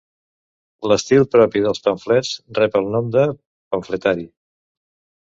L'estil propi dels pamflets rep el nom de pamfletari.